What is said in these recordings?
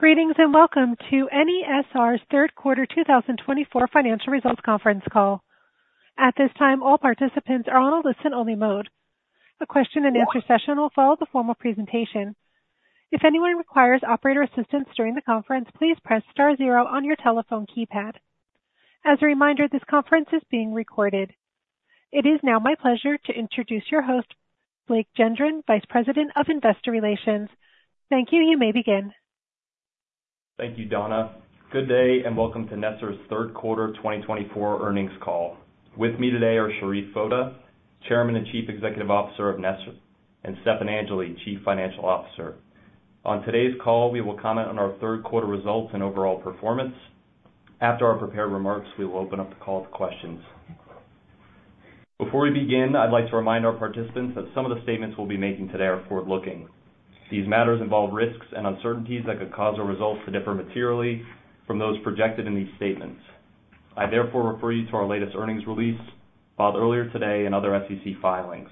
Greetings and welcome to NESR's Third Quarter 2024 Financial Results Conference Call. At this time, all participants are on a listen-only mode. A question-and-answer session will follow the formal presentation. If anyone requires operator assistance during the conference, please press star zero on your telephone keypad. As a reminder, this conference is being recorded. It is now my pleasure to introduce your host, Blake Gendron, Vice President of Investor Relations. Thank you, you may begin. Thank you, Donna. Good day and welcome to NESR's third quarter 2024 earnings call. With me today are Sherif Foda, Chairman and Chief Executive Officer of NESR, and Stefan Angeli, Chief Financial Officer. On today's call, we will comment on our third-quarter results and overall performance. After our prepared remarks, we will open up the call to questions. Before we begin, I'd like to remind our participants that some of the statements we'll be making today are forward-looking. These matters involve risks and uncertainties that could cause our results to differ materially from those projected in these statements. I therefore refer you to our latest earnings release, filed earlier today, and other SEC filings.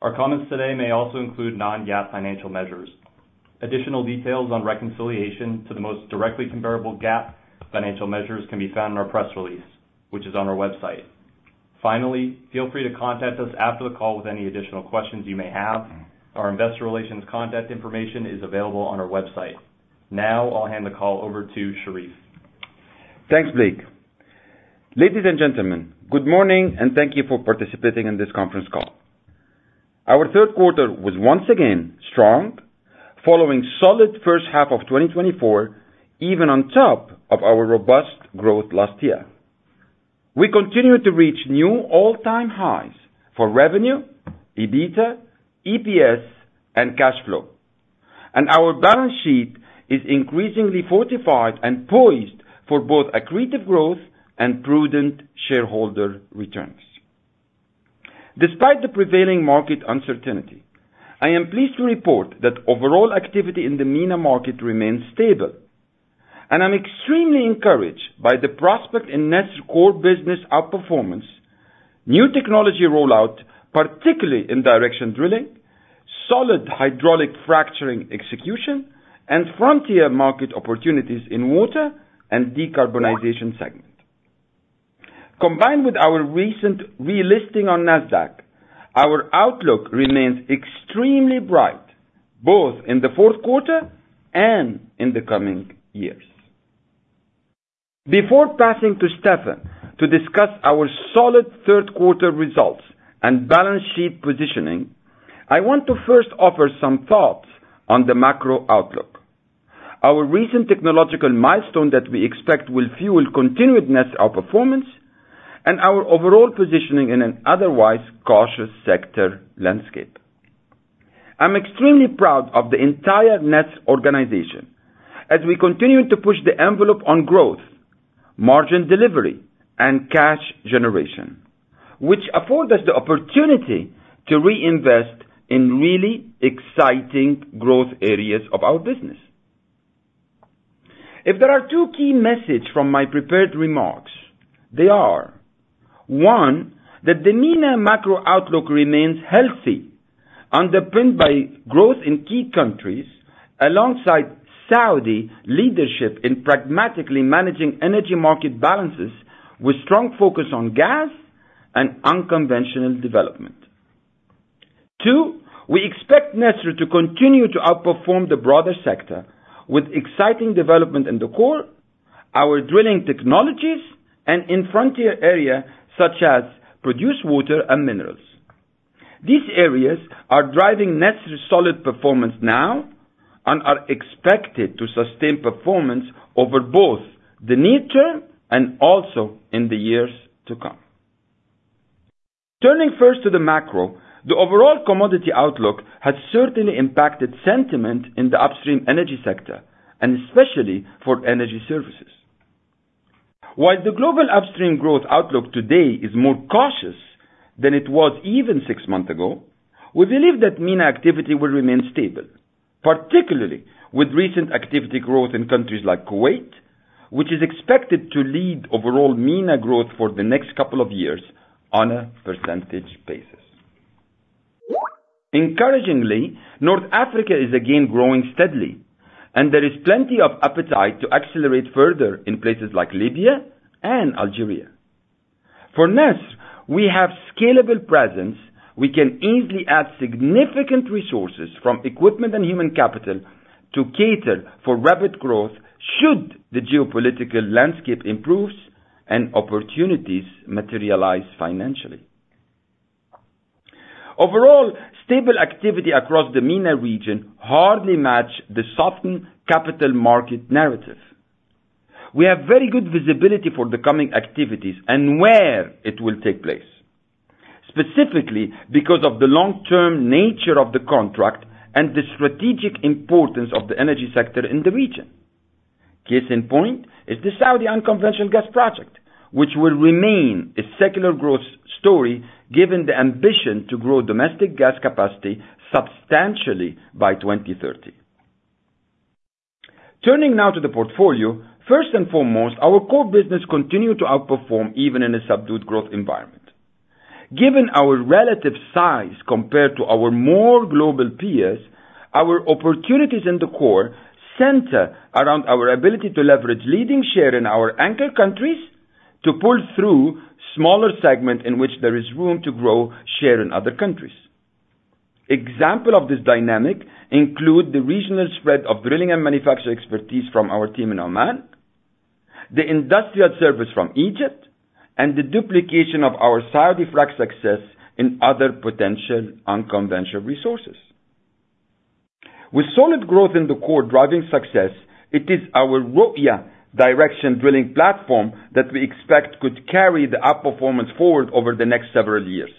Our comments today may also include non-GAAP financial measures. Additional details on reconciliation to the most directly comparable GAAP financial measures can be found in our press release, which is on our website. Finally, feel free to contact us after the call with any additional questions you may have. Our investor relations contact information is available on our website. Now, I'll hand the call over to Sherif. Thanks, Blake. Ladies and gentlemen, good morning and thank you for participating in this conference call. Our third quarter was once again strong, following a solid first half of 2024, even on top of our robust growth last year. We continue to reach new all-time highs for revenue, EBITDA, EPS, and cash flow, and our balance sheet is increasingly fortified and poised for both accretive growth and prudent shareholder returns. Despite the prevailing market uncertainty, I am pleased to report that overall activity in the MENA market remains stable, and I'm extremely encouraged by the prospects in NESR's core business outperformance, new technology rollout, particularly in directional drilling, solid hydraulic fracturing execution, and frontier market opportunities in Water and Decarbonization segment. Combined with our recent relisting on NASDAQ, our outlook remains extremely bright both in the fourth quarter and in the coming years. Before passing to Stefan to discuss our solid third quarter results and balance sheet positioning, I want to first offer some thoughts on the macro outlook: our recent technological milestone that we expect will fuel continued NESR outperformance and our overall positioning in an otherwise cautious sector landscape. I'm extremely proud of the entire NESR organization as we continue to push the envelope on growth, margin delivery, and cash generation, which affords us the opportunity to reinvest in really exciting growth areas of our business. If there are two key messages from my prepared remarks, they are: one, that the MENA macro outlook remains healthy, underpinned by growth in key countries alongside Saudi leadership in pragmatically managing energy market balances with a strong focus on gas and unconventional development. Two, we expect NESR to continue to outperform the broader sector with exciting development in the core, our drilling technologies, and in frontier areas such as produced water and minerals. These areas are driving NESR's solid performance now and are expected to sustain performance over both the near term and also in the years to come. Turning first to the macro, the overall commodity outlook has certainly impacted sentiment in the upstream energy sector, and especially for energy services. While the global upstream growth outlook today is more cautious than it was even six months ago, we believe that MENA activity will remain stable, particularly with recent activity growth in countries like Kuwait, which is expected to lead overall MENA growth for the next couple of years on a percentage basis. Encouragingly, North Africa is again growing steadily, and there is plenty of appetite to accelerate further in places like Libya and Algeria. For NESR, we have a scalable presence. We can easily add significant resources from equipment and human capital to cater for rapid growth should the geopolitical landscape improve and opportunities materialize financially. Overall, stable activity across the MENA region hardly matches the softened capital market narrative. We have very good visibility for the coming activities and where it will take place, specifically because of the long-term nature of the contract and the strategic importance of the energy sector in the region. Case in point is the Saudi unconventional gas project, which will remain a secular growth story given the ambition to grow domestic gas capacity substantially by 2030. Turning now to the portfolio, first and foremost, our core business continues to outperform even in a subdued growth environment. Given our relative size compared to our more global peers, our opportunities in the core center around our ability to leverage leading share in our anchor countries to pull through smaller segments in which there is room to grow share in other countries. Examples of this dynamic include the regional spread of drilling and manufacturing expertise from our team in Oman, the industrial service from Egypt, and the duplication of our Saudi frac success in other potential unconventional resources. With solid growth in the core driving success, it is our Roya directional drilling platform that we expect could carry the outperformance forward over the next several years.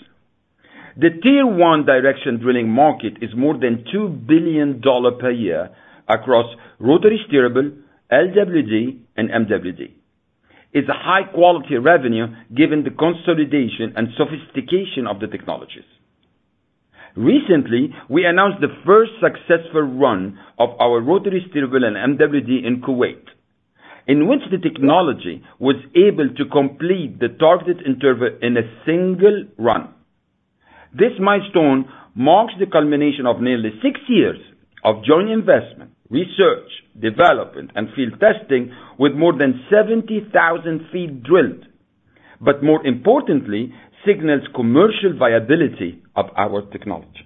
The tier-one directional drilling market is more than $2 billion per year across rotary steerable, LWD, and MWD. It's a high-quality revenue given the consolidation and sophistication of the technologies. Recently, we announced the first successful run of our rotary steerable and MWD in Kuwait, in which the technology was able to complete the target interval in a single run. This milestone marks the culmination of nearly six years of joint investment, research, development, and field testing with more than 70,000 feet drilled, but more importantly, signals commercial viability of our technology.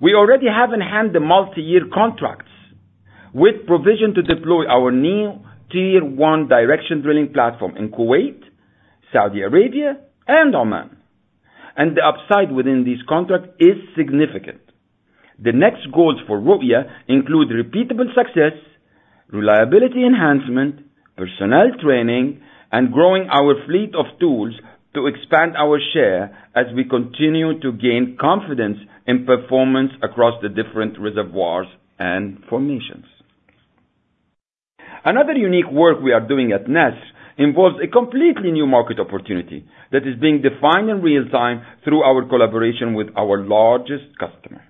We already have in hand the multi-year contracts with provision to deploy our new tier-one directional drilling platform in Kuwait, Saudi Arabia, and Oman, and the upside within these contracts is significant. The next goals for Roya include repeatable success, reliability enhancement, personnel training, and growing our fleet of tools to expand our share as we continue to gain confidence in performance across the different reservoirs and formations. Another unique work we are doing at NESR involves a completely new market opportunity that is being defined in real time through our collaboration with our largest customer.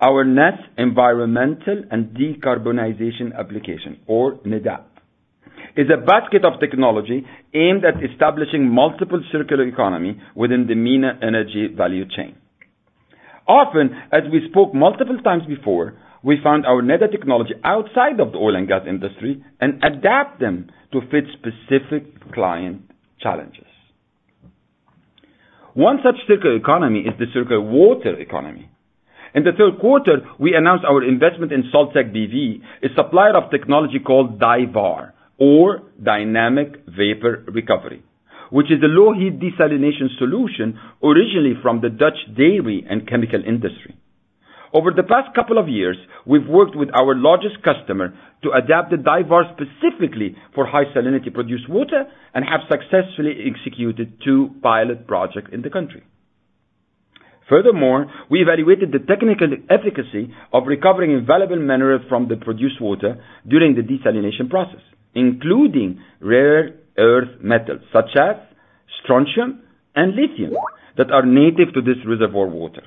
Our NESR Environmental and Decarbonization Application, or NEDA, is a basket of technology aimed at establishing multiple circular economies within the MENA energy value chain. Often, as we spoke multiple times before, we found our NEDA technology outside of the oil and gas industry and adapt them to fit specific client challenges. One such circular economy is the circular water economy. In the third quarter, we announced our investment in Salttech BV, a supplier of technology called DyVaR, or Dynamic Vapor Recovery, which is a low-heat desalination solution originally from the Dutch dairy and chemical industry. Over the past couple of years, we've worked with our largest customer to adapt the DyVaR specifically for high salinity produced water and have successfully executed two pilot projects in the country. Furthermore, we evaluated the technical efficacy of recovering valuable minerals from the produced water during the desalination process, including rare earth metals such as strontium and lithium that are native to this reservoir water.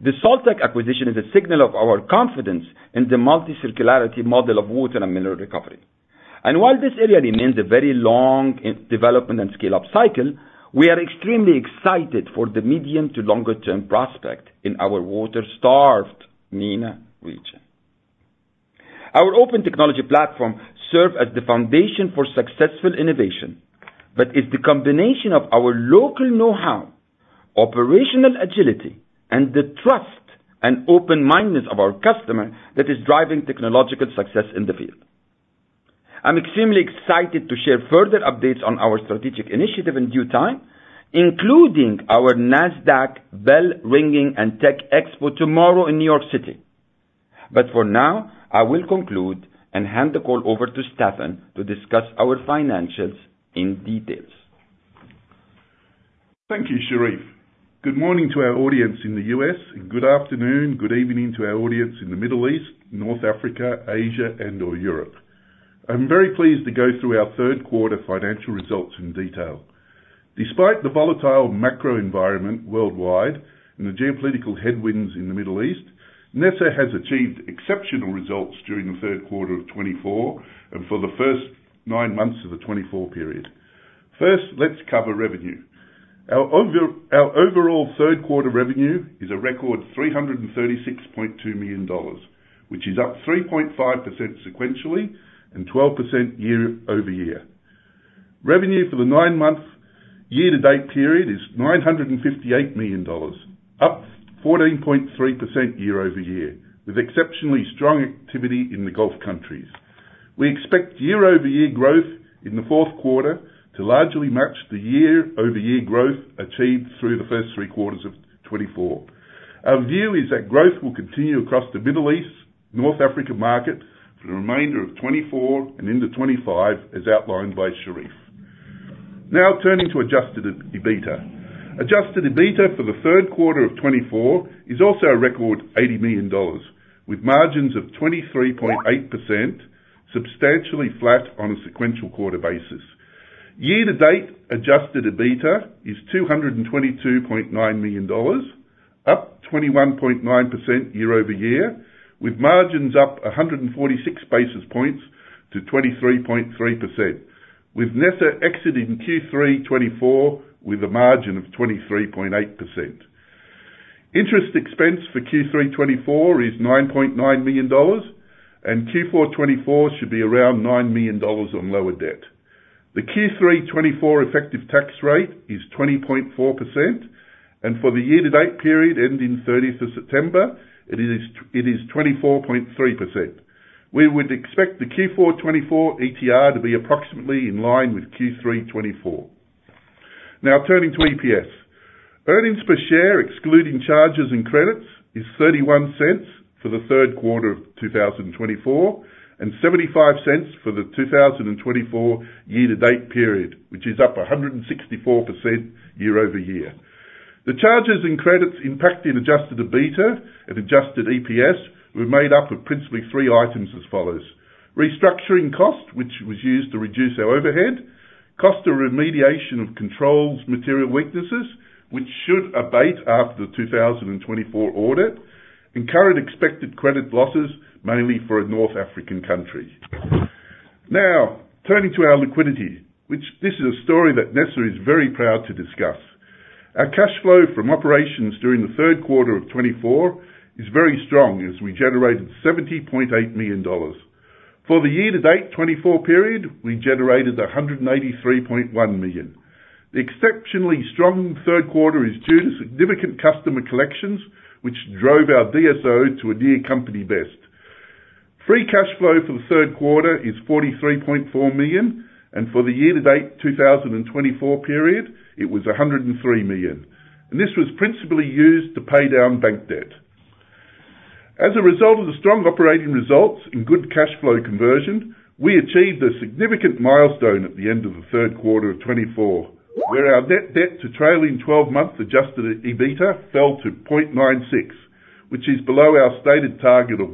The Salttech acquisition is a signal of our confidence in the multi-circularity model of water and mineral recovery. And while this area remains a very long development and scale-up cycle, we are extremely excited for the medium to longer-term prospect in our water-starved MENA region. Our open technology platform serves as the foundation for successful innovation, but it's the combination of our local know-how, operational agility, and the trust and open-mindedness of our customer that is driving technological success in the field. I'm extremely excited to share further updates on our strategic initiative in due time, including our NASDAQ Bell Ringing and Tech Expo tomorrow in New York City. But for now, I will conclude and hand the call over to Stefan to discuss our financials in detail. Thank you, Sherif. Good morning to our audience in the U.S., and good afternoon, good evening to our audience in the Middle East, North Africa, Asia, and/or Europe. I'm very pleased to go through our third-quarter financial results in detail. Despite the volatile macro environment worldwide and the geopolitical headwinds in the Middle East, NESR has achieved exceptional results during the third quarter of 2024 and for the first nine months of the 2024 period. First, let's cover revenue. Our overall third-quarter revenue is a record $336.2 million, which is up 3.5% sequentially and 12% year-over-year. Revenue for the nine-month year-to-date period is $958 million, up 14.3% year-over-year, with exceptionally strong activity in the Gulf countries. We expect year-over-year growth in the fourth quarter to largely match the year-over-year growth achieved through the first three quarters of 2024. Our view is that growth will continue across the Middle East, North Africa market for the remainder of 2024 and into 2025, as outlined by Sherif. Now, turning to adjusted EBITDA. Adjusted EBITDA for the third quarter of 2024 is also a record $80 million, with margins of 23.8%, substantially flat on a sequential quarter basis. Year-to-date adjusted EBITDA is $222.9 million, up 21.9% year-over-year, with margins up 146 basis points to 23.3%, with NESR exiting Q3 2024 with a margin of 23.8%. Interest expense for Q3 2024 is $9.9 million, and Q4 2024 should be around $9 million on lower debt. The Q3 2024 effective tax rate is 20.4%, and for the year-to-date period ending 30th of September, it is 24.3%. We would expect the Q4 2024 ETR to be approximately in line with Q3 2024. Now, turning to EPS. Earnings per share, excluding charges and credits, is $0.31 for the third quarter of 2024 and $0.75 for the 2024 year-to-date period, which is up 164% year-over-year. The charges and credits impacted Adjusted EBITDA and adjusted EPS were made up of principally three items as follows: restructuring cost, which was used to reduce our overhead. Cost of remediation of controls, material weaknesses, which should abate after the 2024 audit. And current expected credit losses, mainly for a North African country. Now, turning to our liquidity, which this is a story that NESR is very proud to discuss. Our cash flow from operations during the third quarter of 2024 is very strong as we generated $70.8 million. For the year-to-date 2024 period, we generated $183.1 million. The exceptionally strong third quarter is due to significant customer collections, which drove our DSO to a near company best. Free cash flow for the third quarter is $43.4 million, and for the year-to-date 2024 period, it was $103 million. This was principally used to pay down bank debt. As a result of the strong operating results and good cash flow conversion, we achieved a significant milestone at the end of the third quarter of 2024, where our net debt to trailing 12-month Adjusted EBITDA fell to 0.96, which is below our stated target of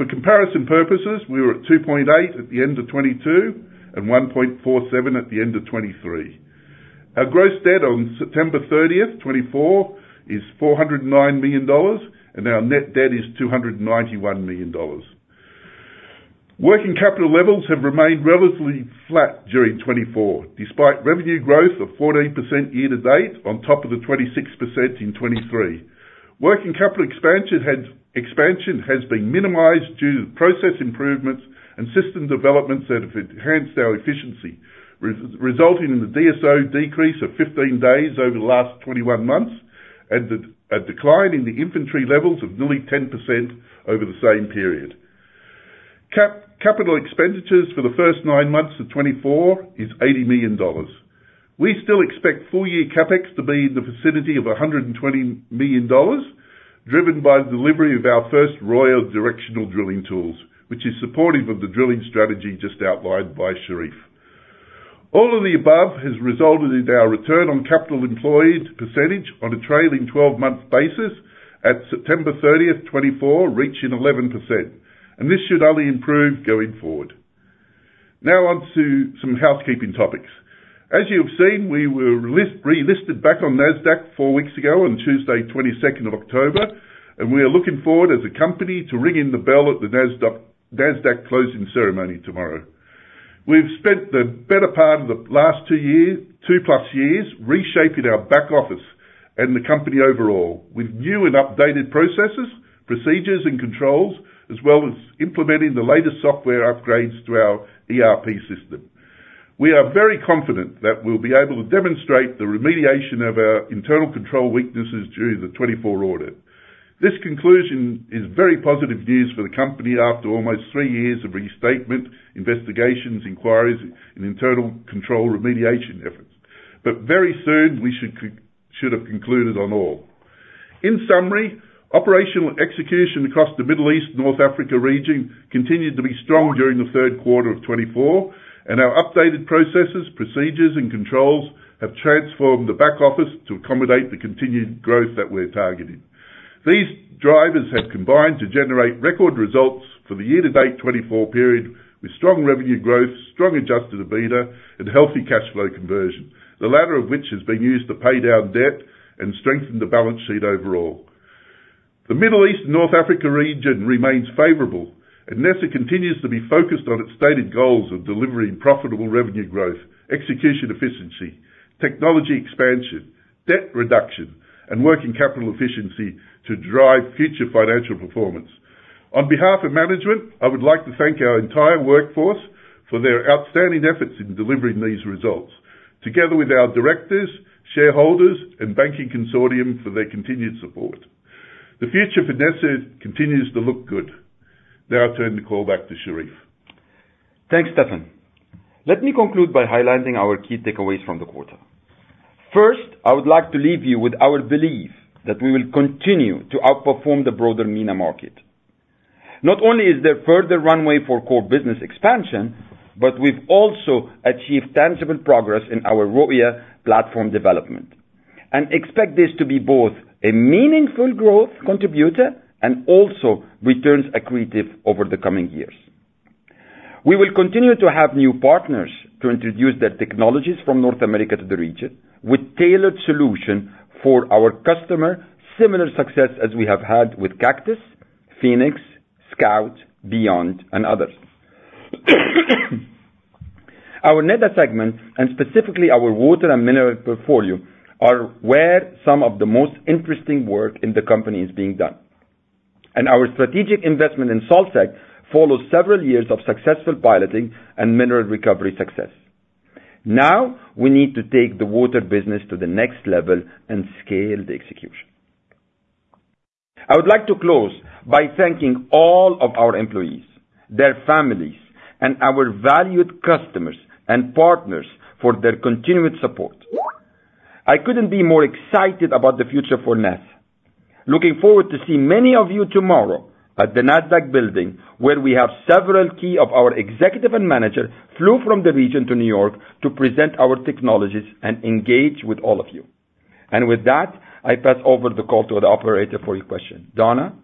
1. For comparison purposes, we were at 2.8 at the end of 2022 and 1.47 at the end of 2023. Our gross debt on September 30th, 2024, is $409 million, and our net debt is $291 million. Working capital levels have remained relatively flat during 2024, despite revenue growth of 14% year-to-date on top of the 26% in 2023. Working capital expansion has been minimized due to process improvements and system developments that have enhanced our efficiency, resulting in the DSO decrease of 15 days over the last 21 months and a decline in the inventory levels of nearly 10% over the same period. Capital expenditures for the first nine months of 2024 is $80 million. We still expect full-year CapEx to be in the vicinity of $120 million, driven by the delivery of our first Roya Directional Drilling tools, which is supportive of the drilling strategy just outlined by Sherif. All of the above has resulted in our return on capital employed percentage on a trailing 12-month basis at September 30th, 2024, reaching 11%, and this should only improve going forward. Now, onto some housekeeping topics. As you have seen, we were relisted back on NASDAQ four weeks ago on Tuesday, 22nd of October, and we are looking forward as a company to ring in the bell at the NASDAQ closing ceremony tomorrow. We've spent the better part of the last two years, two-plus years, reshaping our back office and the company overall with new and updated processes, procedures, and controls, as well as implementing the latest software upgrades to our ERP system. We are very confident that we'll be able to demonstrate the remediation of our internal control weaknesses during the 2024 audit. This conclusion is very positive news for the company after almost three years of restatement, investigations, inquiries, and internal control remediation efforts, but very soon we should have concluded on all. In summary, operational execution across the Middle East, North Africa region continued to be strong during the third quarter of 2024, and our updated processes, procedures, and controls have transformed the back office to accommodate the continued growth that we're targeting. These drivers have combined to generate record results for the year-to-date 2024 period with strong revenue growth, strong adjusted EBITDA, and healthy cash flow conversion, the latter of which has been used to pay down debt and strengthen the balance sheet overall. The Middle East and North Africa region remains favorable, and NESR continues to be focused on its stated goals of delivering profitable revenue growth, execution efficiency, technology expansion, debt reduction, and working capital efficiency to drive future financial performance. On behalf of management, I would like to thank our entire workforce for their outstanding efforts in delivering these results, together with our directors, shareholders, and banking consortium for their continued support. The future for NESR continues to look good. Now, I turn the call back to Sherif. Thanks, Stefan. Let me conclude by highlighting our key takeaways from the quarter. First, I would like to leave you with our belief that we will continue to outperform the broader MENA market. Not only is there further runway for core business expansion, but we've also achieved tangible progress in our Roya platform development and expect this to be both a meaningful growth contributor and also returns accretive over the coming years. We will continue to have new partners to introduce their technologies from North America to the region with tailored solutions for our customer, similar success as we have had with Cactus, Phoenix, Scout, Beyond, and others. Our NEDA segment, and specifically our water and mineral portfolio, are where some of the most interesting work in the company is being done. And our strategic investment in Salttech follows several years of successful piloting and mineral recovery success. Now, we need to take the water business to the next level and scale the execution. I would like to close by thanking all of our employees, their families, and our valued customers and partners for their continued support. I couldn't be more excited about the future for NESR. Looking forward to seeing many of you tomorrow at the NASDAQ building, where several of our key executives and managers flew from the region to New York to present our technologies and engage with all of you. With that, I pass over the call to the operator for your questions. Donna.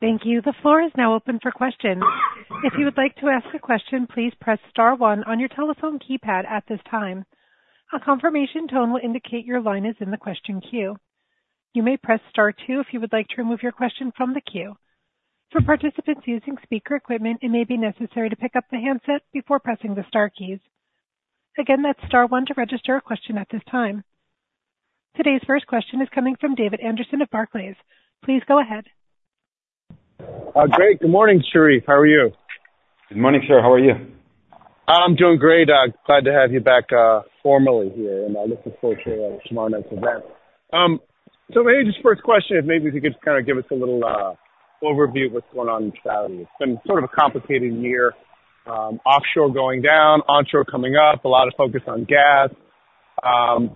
Thank you. The floor is now open for questions. If you would like to ask a question, please press star one one on your telephone keypad at this time. A confirmation tone will indicate your line is in the question queue. You may press star two if you would like to remove your question from the queue. For participants using speaker equipment, it may be necessary to pick up the handset before pressing the star keys. Again, that's star one to register a question at this time. Today's first question is coming from David Anderson of Barclays. Please go ahead. Great. Good morning, Sherif. How are you? Good morning, sir. How are you? I'm doing great. Glad to have you back formally here, and I look forward to tomorrow night's event. So maybe just first question, if maybe you could kind of give us a little overview of what's going on in Saudi. It's been sort of a complicated year. Offshore going down, onshore coming up, a lot of focus on gas.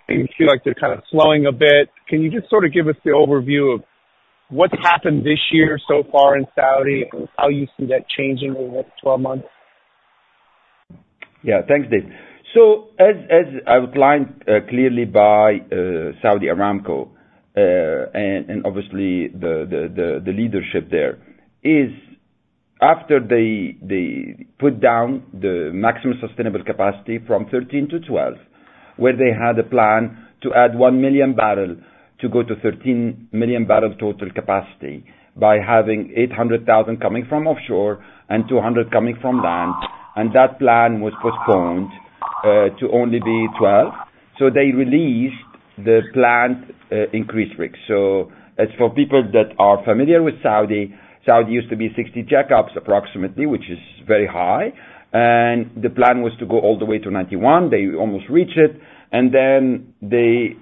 Feel like they're kind of slowing a bit. Can you just sort of give us the overview of what's happened this year so far in Saudi and how you see that changing over the next 12 months? Yeah. Thanks, Dave. So, as outlined clearly by Saudi Aramco and obviously the leadership there, after they put down the maximum sustainable capacity from 13-12, where they had a plan to add 1 million barrels to go to 13 million barrels total capacity by having 800,000 coming from offshore and 200 coming from land, that plan was postponed to only be 12. So they released the planned increase rate. So as for people that are familiar with Saudi, Saudi used to be 60 jackups approximately, which is very high, and the plan was to go all the way to 91. They almost reached it. Then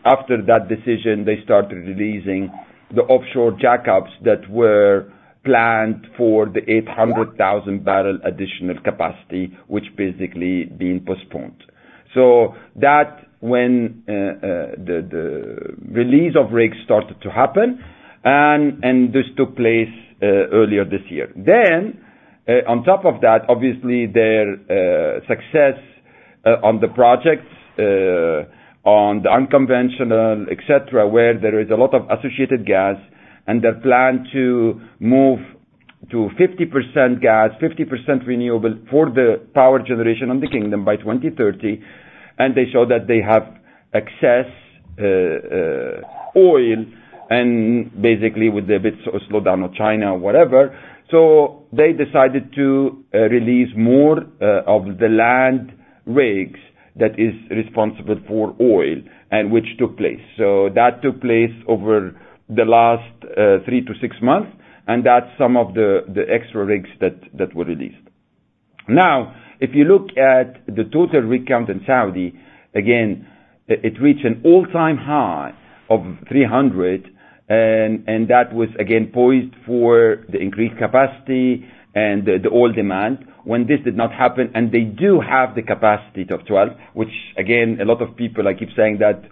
after that decision, they started releasing the offshore jackups that were planned for the 800,000 barrel additional capacity, which basically been postponed. So that's when the release of rigs started to happen, and this took place earlier this year. Then, on top of that, obviously their success on the projects, on the unconventional, etc., where there is a lot of associated gas, and they plan to move to 50% gas, 50% renewable for the power generation of the kingdom by 2030, and they saw that they have excess oil and basically with a bit of a slowdown of China or whatever, so they decided to release more of the land rigs that is responsible for oil and which took place, so that took place over the last three to six months, and that's some of the extra rigs that were released. Now, if you look at the total rig count in Saudi, again, it reached an all-time high of 300, and that was again poised for the increased capacity and the oil demand when this did not happen. They do have the capacity of 12, which again, a lot of people, I keep saying that,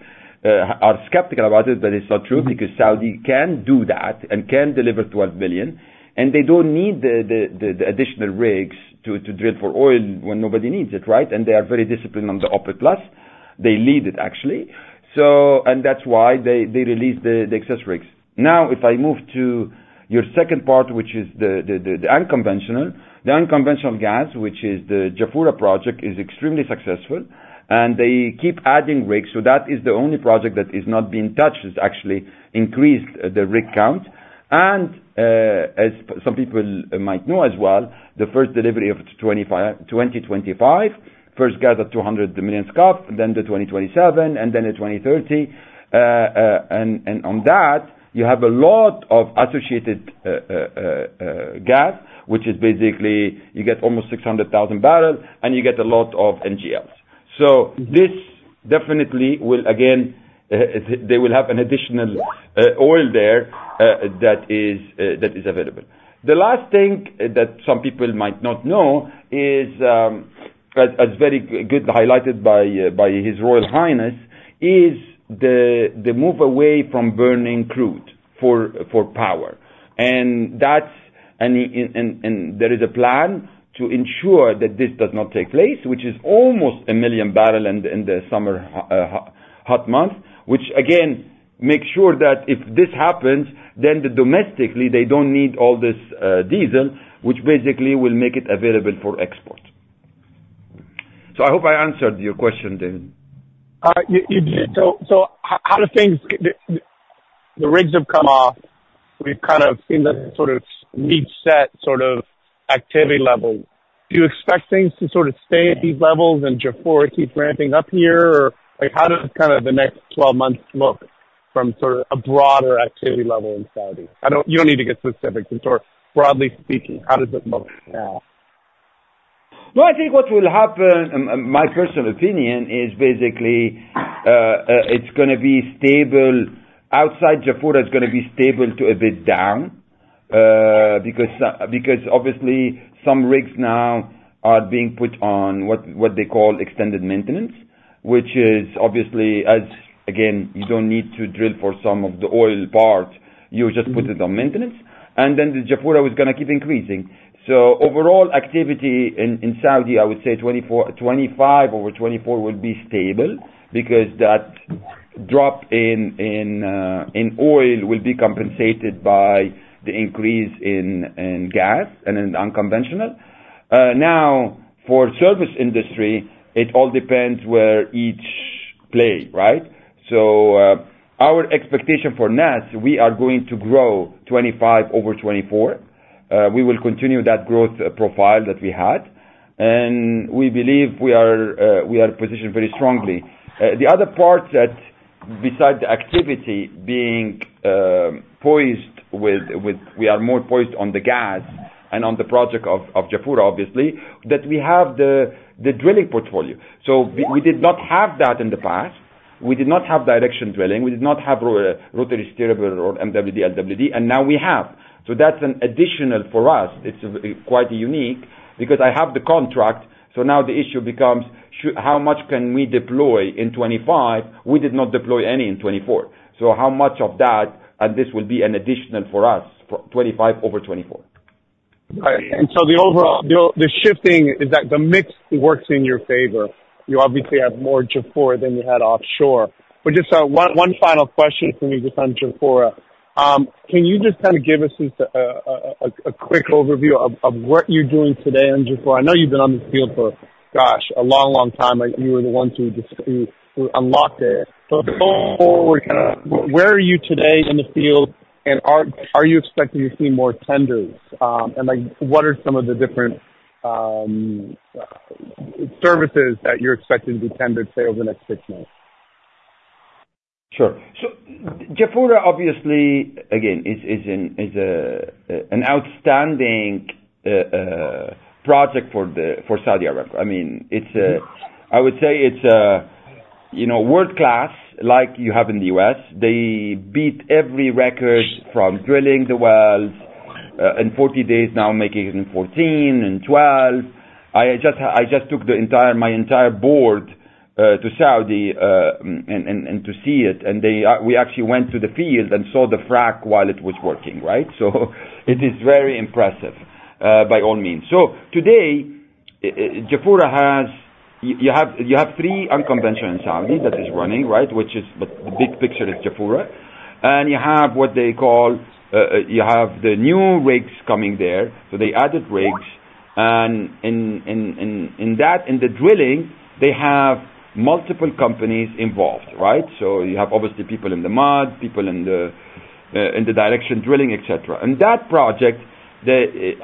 are skeptical about it, but it's not true because Saudi can do that and can deliver 12 million. They don't need the additional rigs to drill for oil when nobody needs it, right? They are very disciplined on the OPEC+. They lead it, actually. That's why they released the excess rigs. Now, if I move to your second part, which is the unconventional, the unconventional gas, which is the Jafurah project, is extremely successful, and they keep adding rigs. So that is the only project that is not being touched, is actually increased the rig count. As some people might know as well, the first delivery of 2025, first gas at 200 million scope, then the 2027, and then the 2030. And on that, you have a lot of associated gas, which is basically you get almost 600,000 barrels, and you get a lot of NGLs. So this definitely will, again, they will have an additional oil there that is available. The last thing that some people might not know is, as very goodly highlighted by His Royal Highness, is the move away from burning crude for power. And there is a plan to ensure that this does not take place, which is almost a million barrels in the summer hot month, which again makes sure that if this happens, then domestically, they don't need all this diesel, which basically will make it available for export. So I hope I answered your question, David. You did. So how do things? The rigs have come off. We've kind of seen the sort of mid-set sort of activity level. Do you expect things to sort of stay at these levels and Jafurah keep ramping up here? Or how does kind of the next 12 months look from sort of a broader activity level in Saudi? You don't need to get specific. Just sort of broadly speaking, how does it look now? I think what will happen, my personal opinion, is basically it's going to be stable. Outside Jafurah, it's going to be stable to a bit down because obviously some rigs now are being put on what they call extended maintenance, which is obviously, as again, you don't need to drill for some of the oil part. You just put it on maintenance. TheJafurah is going to keep increasing. Overall activity in Saudi, I would say 2025 over 2024 will be stable because that drop in oil will be compensated by the increase in gas and in unconventional. Now, for service industry, it all depends where each play, right? Our expectation for NES, we are going to grow 2025 over 2024. We will continue that growth profile that we had, and we believe we are positioned very strongly. The other part that besides the activity being poised with we are more poised on the gas and on the project of Jafurah, obviously, that we have the drilling portfolio, so we did not have that in the past. We did not have directional drilling. We did not have rotary steerable or MWD, LWD, and now we have, so that's an additional for us. It's quite unique because I have the contract, so now the issue becomes, how much can we deploy in 2025? We did not deploy any in 2024, so how much of that, and this will be an additional for us for 2025 over 2024. Right, and so the shifting is that the mix works in your favor. You obviously have more Jafurah than you had offshore, but just one final question for me just on Jafurah. Can you just kind of give us a quick overview of what you're doing today on Jafurah? I know you've been on the field for, gosh, a long, long time. You were the one who unlocked it, so where are you today in the field, and are you expecting to see more tenders, and what are some of the different services that you're expecting to be tendered, say, over the next six months? Sure. So Jafurah, obviously, again, is an outstanding project for Saudi Arabia. I mean, I would say it's world-class, like you have in the U.S. They beat every record from drilling the wells in 40 days, now making it in 14, in 12. I just took my entire board to Saudi and to see it. And we actually went to the field and saw the frac while it was working, right? So it is very impressive by all means. So today, Jafurah has three unconventional in Saudi that is running, right? But the big picture is Jafurah. And you have what they call the new rigs coming there. So they added rigs. And in the drilling, they have multiple companies involved, right? So you have obviously people in the mud, people in the directional drilling, etc. And that project,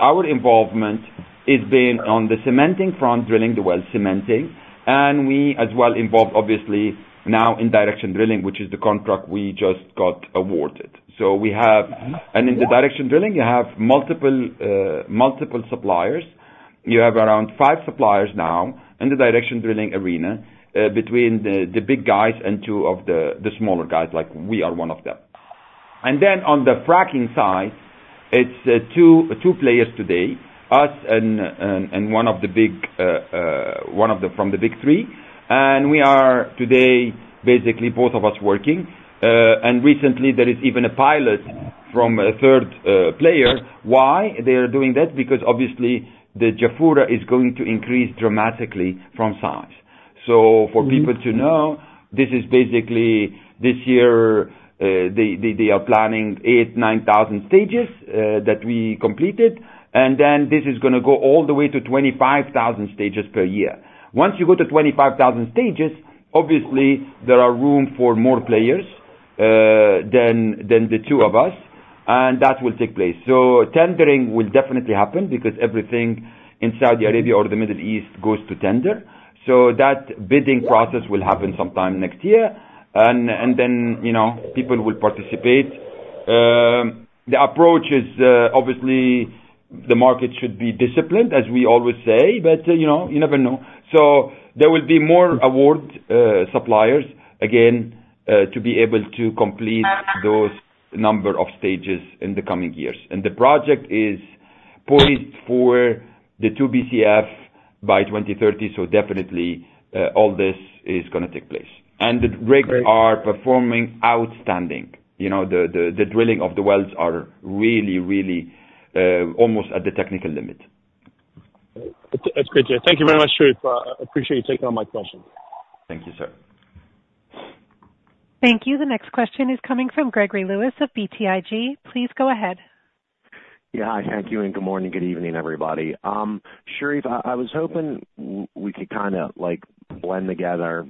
our involvement is being on the cementing front, drilling the well, cementing. And we as well involved, obviously, now in directional drilling, which is the contract we just got awarded. So we have and in the directional drilling, you have multiple suppliers. You have around five suppliers now in the directional drilling arena between the big guys and two of the smaller guys, like we are one of them. And then on the fracking side, it's two players today, us and one of the big one from the big three. And we are today basically both of us working. And recently, there is even a pilot from a third player. Why they are doing that? Because obviously, the Jafurah is going to increase dramatically from size. So for people to know, this is basically this year, they are planning 8,000-9,000 stages that we completed. And then this is going to go all the way to 25,000 stages per year. Once you go to 25,000 stages, obviously there are room for more players than the two of us, and that will take place. So tendering will definitely happen because everything in Saudi Arabia or the Middle East goes to tender. So that bidding process will happen sometime next year. And then people will participate. The approach is obviously the market should be disciplined, as we always say, but you never know. So there will be more award suppliers, again, to be able to complete those number of stages in the coming years. And the project is poised for the two BCF by 2030. So definitely all this is going to take place. And the rigs are performing outstanding. The drilling of the wells are really, really almost at the technical limit. That's great, Dave. Thank you very much, Sherif. I appreciate you taking on my questions. Thank you, sir. Thank you. The next question is coming from Gregory Lewis of BTIG. Please go ahead. Yeah. Hi, thank you. Good morning, good evening, everybody. Sherif, I was hoping we could kind of blend together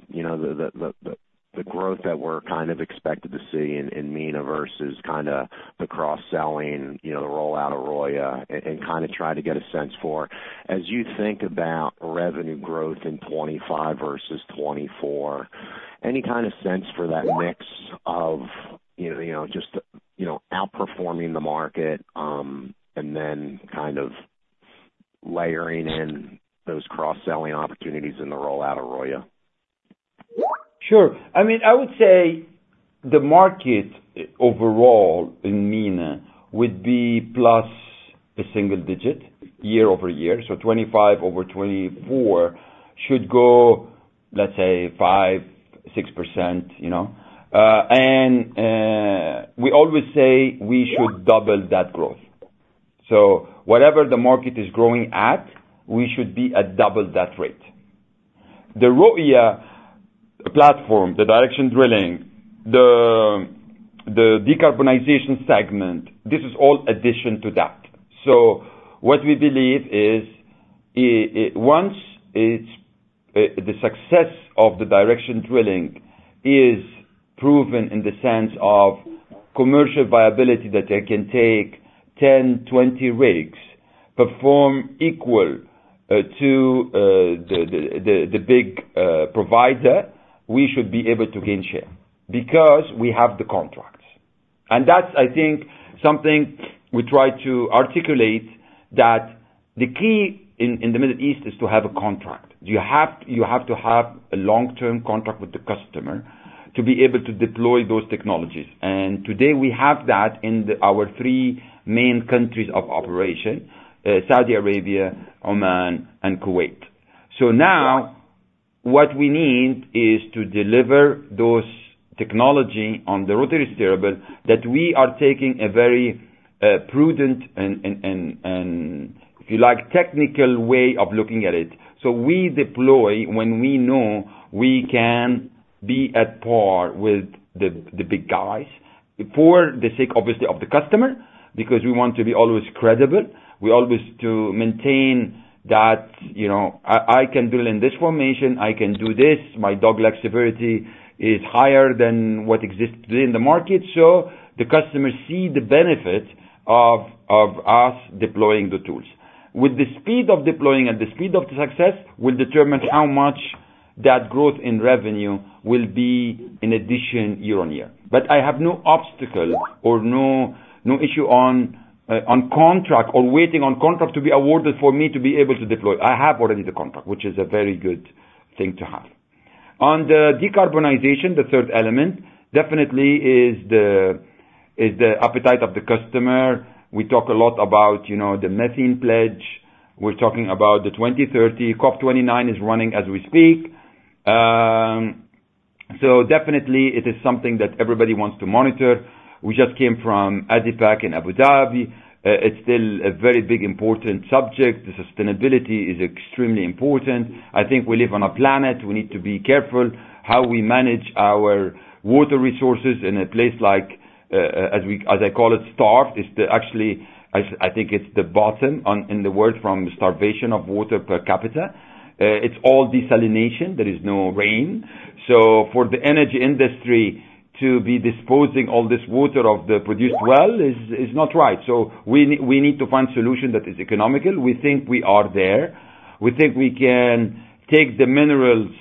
the growth that we're kind of expected to see in MENA versus kind of the cross-selling, the rollout of Roya, and kind of try to get a sense for as you think about revenue growth in 2025 versus 2024, any kind of sense for that mix of just outperforming the market and then kind of layering in those cross-selling opportunities in the rollout of Roya? Sure. I mean, I would say the market overall in MENA would be plus a single digit year-over-year. So 2025 over 2024 should go, let's say, 5%-6%. And we always say we should double that growth. So whatever the market is growing at, we should be at double that rate. The Roya platform, the directional drilling, the Decarbonization segment, this is all addition to that. So what we believe is once the success of the directional drilling is proven in the sense of commercial viability that they can take 10-20 rigs perform equal to the big provider, we should be able to gain share because we have the contracts. And that's, I think, something we try to articulate that the key in the Middle East is to have a contract. You have to have a long-term contract with the customer to be able to deploy those technologies. And today we have that in our three main countries of operation: Saudi Arabia, Oman, and Kuwait. So now what we need is to deliver those technology on the rotary steerable that we are taking a very prudent and, if you like, technical way of looking at it. So we deploy when we know we can be at par with the big guys for the sake, obviously, of the customer because we want to be always credible. We always to maintain that I can drill in this formation. I can do this. My Dogleg severity is higher than what exists in the market. So the customer sees the benefit of us deploying the tools. With the speed of deploying and the speed of success will determine how much that growth in revenue will be in addition year-on-year. But I have no obstacle or no issue on contract or waiting on contract to be awarded for me to be able to deploy. I have already the contract, which is a very good thing to have. On the decarbonization, the third element definitely is the appetite of the customer. We talk a lot about the Methane Pledge. We're talking about the 2030 COP29 is running as we speak. So definitely it is something that everybody wants to monitor. We just came from ADIPEC in Abu Dhabi. It's still a very big important subject. The sustainability is extremely important. I think we live on a planet. We need to be careful how we manage our water resources in a place like, as I call it, starved. Actually, I think it's the bottom in the world from starvation of water per capita. It's all desalination. There is no rain. So for the energy industry to be disposing all this water of the produced water is not right. So we need to find a solution that is economical. We think we are there. We think we can take the minerals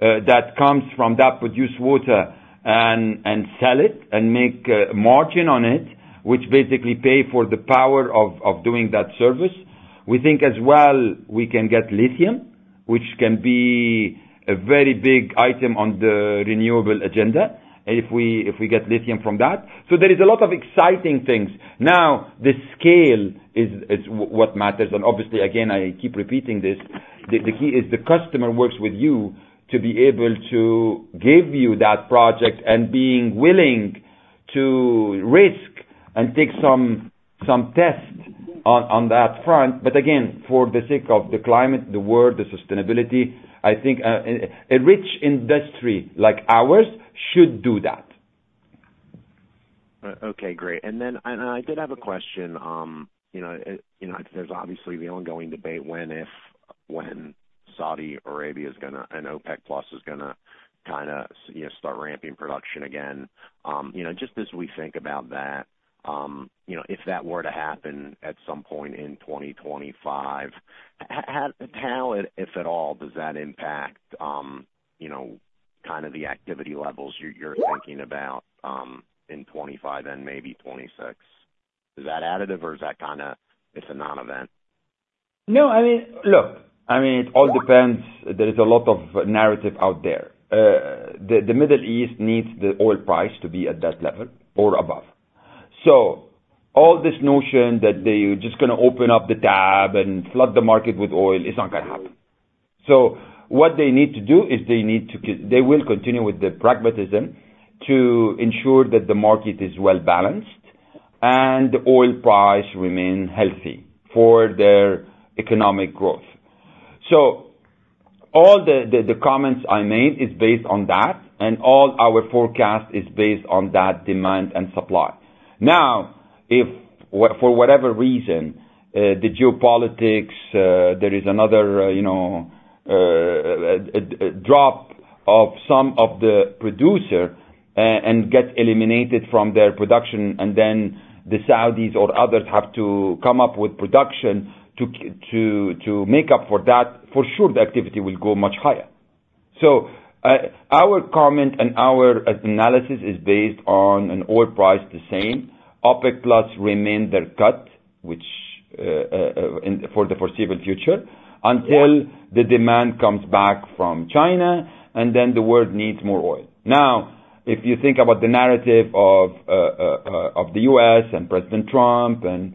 that come from that produced water and sell it and make a margin on it, which basically pays for the power of doing that service. We think as well we can get lithium, which can be a very big item on the renewable agenda if we get lithium from that. So there is a lot of exciting things. Now, the scale is what matters. Obviously, again, I keep repeating this. The key is the customer works with you to be able to give you that project, and being willing to risk and take some tests on that front. Again, for the sake of the climate, the world, the sustainability, I think a rich industry like ours should do that. Okay. Great. And then I did have a question. There's obviously the ongoing debate when Saudi Arabia is going to, and OPEC+ is going to kind of start ramping production again. Just as we think about that, if that were to happen at some point in 2025, how, if at all, does that impact kind of the activity levels you're thinking about in 25 and maybe 26? Is that additive or is that kind of it's a non-event? No. I mean, look, I mean, it all depends. There is a lot of narrative out there. The Middle East needs the oil price to be at that level or above. So, all this notion that they're just going to open up the tab and flood the market with oil is not going to happen. So what they need to do is they will continue with the pragmatism to ensure that the market is well-balanced and the oil price remains healthy for their economic growth. So all the comments I made is based on that, and all our forecast is based on that demand and supply. Now, if for whatever reason the geopolitics, there is another drop of some of the producer and get eliminated from their production, and then the Saudis or others have to come up with production to make up for that, for sure the activity will go much higher. So our comment and our analysis is based on an oil price the same. OPEC+ remain their cut for the foreseeable future until the demand comes back from China, and then the world needs more oil. Now, if you think about the narrative of the U.S. and President Trump and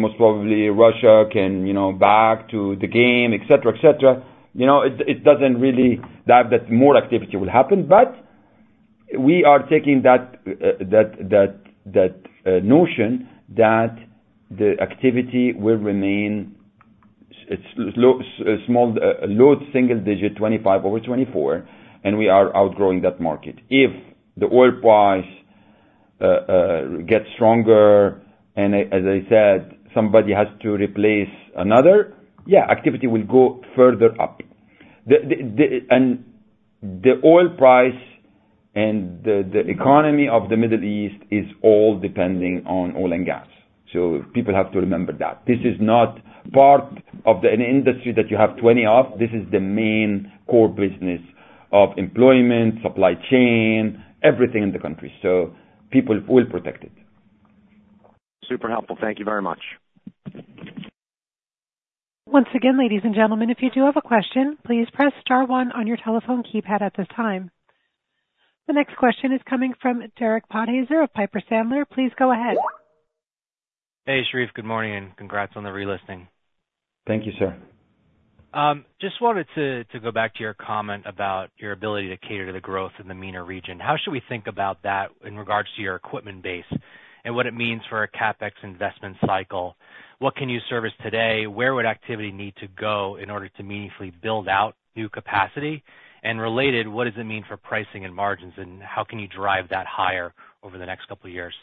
most probably Russia can back to the game, etc., etc., it doesn't really that more activity will happen. But we are taking that notion that the activity will remain low single digit 2025 over 2024, and we are outgrowing that market. If the oil price gets stronger and, as I said, somebody has to replace another, yeah, activity will go further up. And the oil price and the economy of the Middle East is all depending on oil and gas. So people have to remember that. This is not part of the industry that you have 20 of. This is the main core business of employment, supply chain, everything in the country. So people will protect it. Super helpful. Thank you very much. Once again, ladies and gentlemen, if you do have a question, please press star one on your telephone keypad at this time. The next question is coming from Derek Podhaizer of Piper Sandler. Please go ahead. Hey, Sherif. Good morning and congrats on the relisting. Thank you, sir. Just wanted to go back to your comment about your ability to cater to the growth in the MENA region. How should we think about that in regards to your equipment base and what it means for a CapEx investment cycle? What can you service today? Where would activity need to go in order to meaningfully build out new capacity? And related, what does it mean for pricing and margins? And how can you drive that higher over the next couple of years?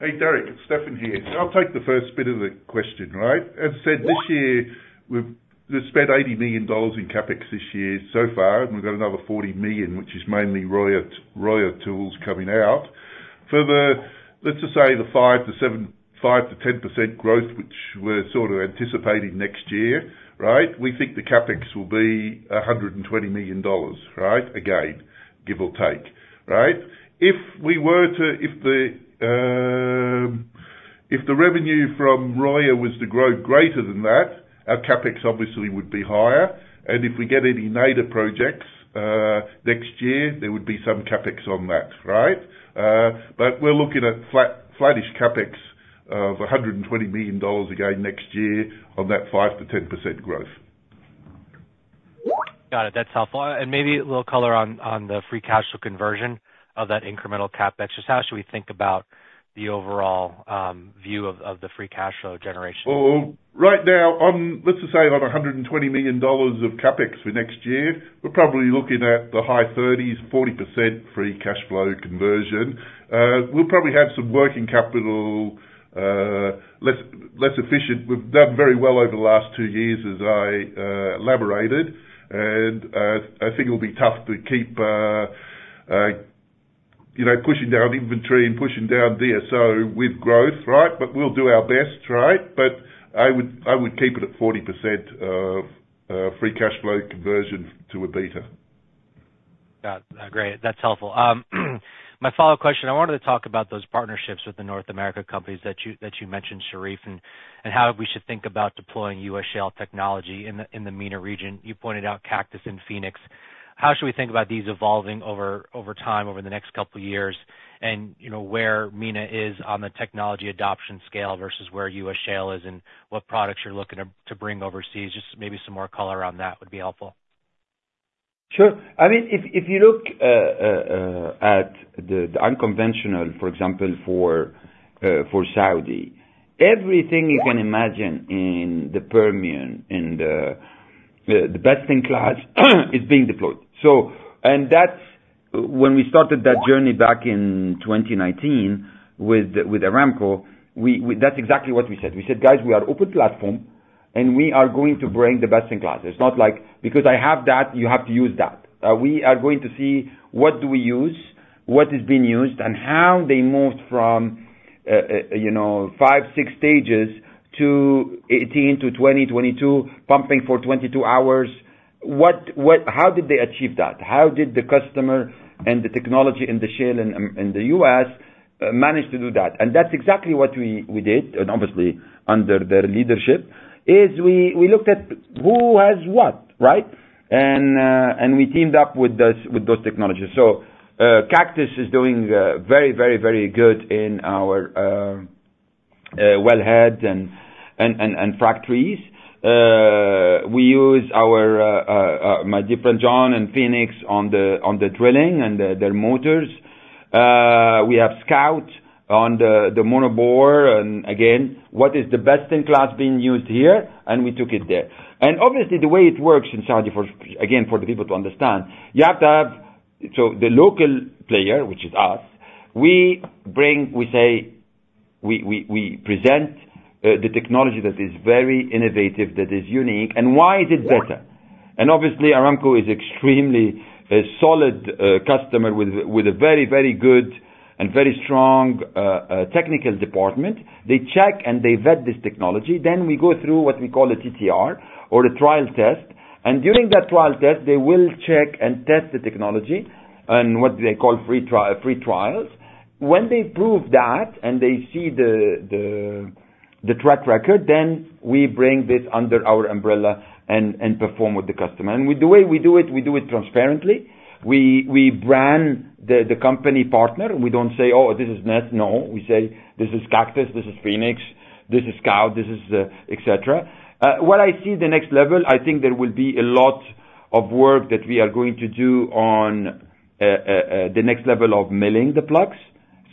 Hey, Derek. It's Stefan here. I'll take the first bit of the question, right? As I said, this year we've spent $80 million in CapEx this year so far, and we've got another $40 million, which is mainly Roya tools coming out. For the, let's just say, the 5%-10% growth, which we're sort of anticipating next year, right, we think the CapEx will be $120 million, right, again, give or take, right? If we were to the revenue from Roya was to grow greater than that, our CapEx obviously would be higher. And if we get any NEDA projects next year, there would be some CapEx on that, right? But we're looking at flat-ish CapEx of $120 million again next year on that 5%-10% growth. Got it. That's helpful, and maybe a little color on the free cash flow conversion of that incremental CapEx. Just how should we think about the overall view of the free cash flow generation? Right now, let's just say on $120 million of CapEx for next year, we're probably looking at the high 30s, 40% free cash flow conversion. We'll probably have some working capital less efficient. We've done very well over the last two years, as I elaborated, and I think it'll be tough to keep pushing down inventory and pushing down DSO with growth, right? We'll do our best, right, but I would keep it at 40% free cash flow conversion to a beta. Got it. Great. That's helpful. My follow-up question, I wanted to talk about those partnerships with the North America companies that you mentioned, Sherif, and how we should think about deploying U.S. Shale technology in the MENA region. You pointed out Cactus and Phoenix. How should we think about these evolving over time over the next couple of years and where MENA is on the technology adoption scale versus where U.S. Shale is and what products you're looking to bring overseas? Just maybe some more color on that would be helpful. Sure. I mean, if you look at the unconventional, for example, for Saudi, everything you can imagine in the Permian and the best-in-class is being deployed. And that's when we started that journey back in 2019 with Aramco, that's exactly what we said. We said, "Guys, we are open platform, and we are going to bring the best-in-class." It's not like, "Because I have that, you have to use that." We are going to see what do we use, what is being used, and how they moved from five, six stages to 18-20, 22, pumping for 22 hours. How did they achieve that? How did the customer and the technology and the shale in the U.S. manage to do that? And that's exactly what we did, and obviously under their leadership, is we looked at who has what, right? And we teamed up with those technologies. Cactus is doing very, very, very good in our wellheads and factories. We use my dear friend John and Phoenix on the drilling and their motors. We have Scout on the Monobore. What is the best-in-class being used here? We took it there. The way it works in Saudi, again, for the people to understand, you have to have so the local player, which is us, we say we present the technology that is very innovative, that is unique, and why is it better? Aramco is an extremely solid customer with a very, very good and very strong technical department. They check, and they vet this technology. We go through what we call a TTR or a trial test. During that trial test, they will check and test the technology on what they call free trials. When they prove that and they see the track record, then we bring this under our umbrella and perform with the customer, and the way we do it, we do it transparently. We brand the company partner. We don't say, "Oh, this is net." No. We say, "This is Cactus. This is Phoenix. This is Scout. This is," etc. When I see the next level, I think there will be a lot of work that we are going to do on the next level of milling the plugs.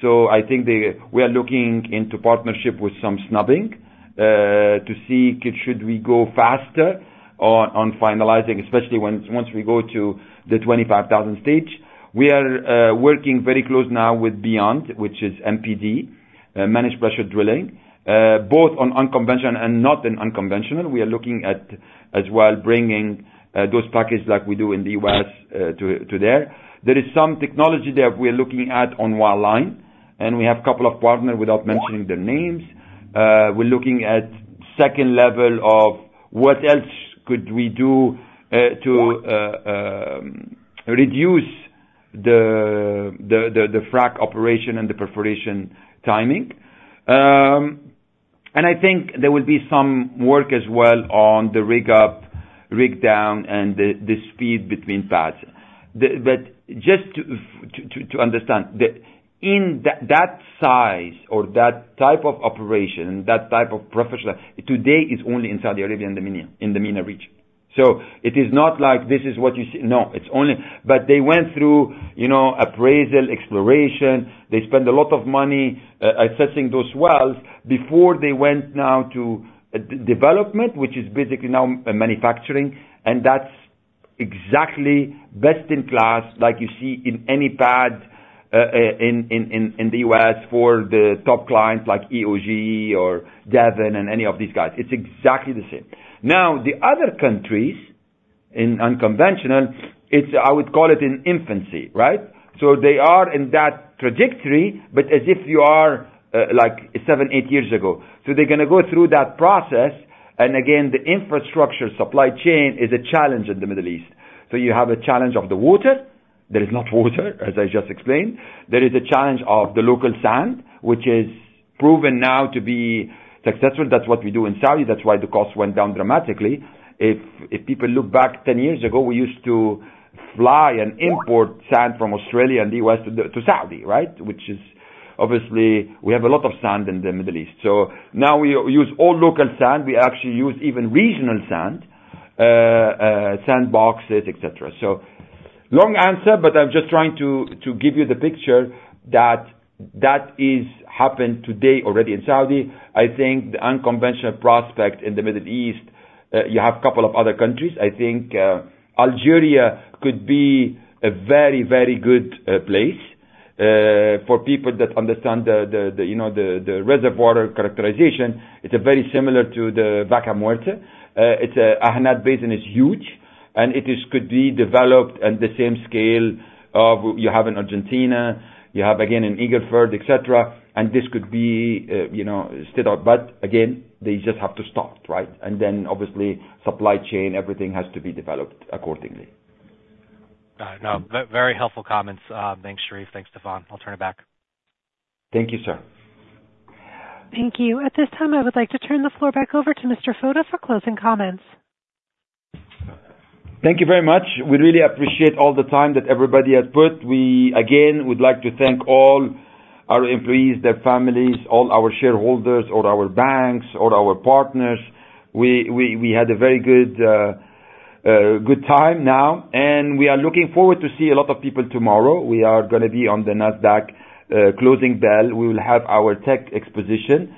So I think we are looking into partnership with some snubbing to see should we go faster on finalizing, especially once we go to the 25,000 stage. We are working very close now with Beyond, which is MPD, managed pressure drilling, both on unconventional and not in unconventional. We are looking at as well bringing those packages like we do in the U.S. to there. There is some technology that we are looking at on wireline, and we have a couple of partners without mentioning their names. We're looking at second level of what else could we do to reduce the frac operation and the perforation timing. And I think there will be some work as well on the rig up, rig down, and the speed between pads. But just to understand, in that size or that type of operation, that type of professional, today is only in Saudi Arabia and the MENA region. So it is not like this is what you see. No. But they went through appraisal, exploration. They spent a lot of money assessing those wells before they went now to development, which is basically now manufacturing. And that's exactly best-in-class like you see in any pad in the U.S. for the top clients like EOG or Devon and any of these guys. It's exactly the same. Now, the other countries in unconventional, I would call it in infancy, right? So they are in that trajectory, but as if you are like seven, eight years ago. So they're going to go through that process. And again, the infrastructure supply chain is a challenge in the Middle East. So you have a challenge of the water. There is not water, as I just explained. There is a challenge of the local sand, which is proven now to be successful. That's what we do in Saudi. That's why the cost went down dramatically. If people look back 10 years ago, we used to fly and import sand from Australia and the U.S. to Saudi, right? Which is obviously we have a lot of sand in the Middle East. So now we use all local sand. We actually use even regional sand, sandboxes, etc. So long answer, but I'm just trying to give you the picture that has happened today already in Saudi. I think the unconventional prospect in the Middle East, you have a couple of other countries. I think Algeria could be a very, very good place for people that understand the reservoir characterization. It's very similar to the Vaca Muerta. It's an Ahnet Basin that is huge, and it could be developed at the same scale of you have in Argentina, you have again in Eagle Ford, etc. And this could be a state of but again, they just have to start, right? And then obviously supply chain, everything has to be developed accordingly. Got it. No. Very helpful comments. Thanks, Sherif. Thanks, Stefan. I'll turn it back. Thank you, sir. Thank you. At this time, I would like to turn the floor back over to Mr. Foda for closing comments. Thank you very much. We really appreciate all the time that everybody has put. We again would like to thank all our employees, their families, all our shareholders, or our banks, or our partners. We had a very good time now, and we are looking forward to see a lot of people tomorrow. We are going to be on the NASDAQ closing bell. We will have our tech exposition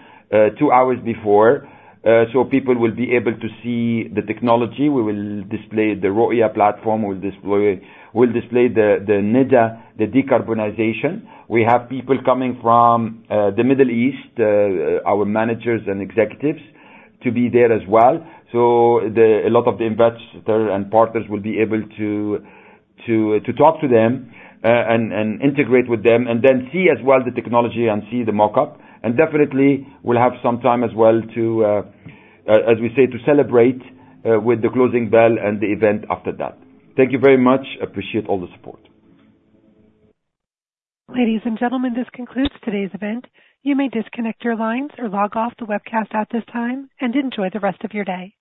two hours before. So people will be able to see the technology. We will display the Roya platform. We'll display the NEDA, the decarbonization. We have people coming from the Middle East, our managers and executives, to be there as well. So a lot of the investors and partners will be able to talk to them and integrate with them, and then see as well the technology and see the mockup. Definitely, we'll have some time as well to, as we say, to celebrate with the closing bell and the event after that. Thank you very much. Appreciate all the support. Ladies and gentlemen, this concludes today's event. You may disconnect your lines or log off the webcast at this time and enjoy the rest of your day.